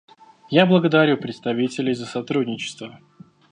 Я благодарю представителей за сотрудничество.